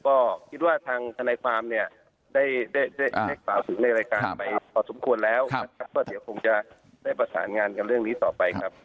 ก็คิดว่าทางทนายความเนี่ยได้ได้กล่าวถึงในรายการไปพอสมควรแล้วนะครับก็เดี๋ยวคงจะได้ประสานงานกันเรื่องนี้ต่อไปครับ